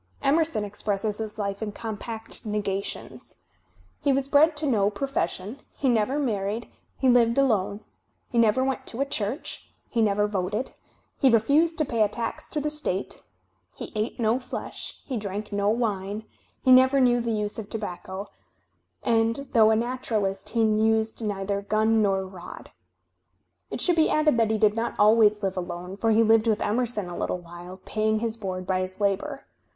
Emerson Digitized by Google 188 THE SPIRIT OF AMERICAN LITERATURE expresses his life in compact negations: "He was bred to no profession; he never married; he lived alone; he never went to church; he never voted; he refused to pay a tax to the state; he ate no flesh; he drank no wine; he never knew the use of tobacco; and though a naturalist he used neither gun nor rod/' It should be added that he did not always live alone, for he lived with Emerson a little while, paying his board by his labour.